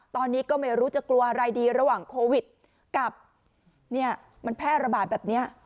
ตอนนี้ก็ไม่รู้จะกลัวอะไรดีระหว่างโควิดกับเนี่ยมันแพร่ระบาดแบบนี้